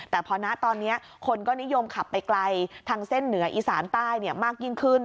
แต่พอนะตอนนี้คนก็นิยมขับไปไกลทางเส้นเหนืออีสานใต้มากยิ่งขึ้น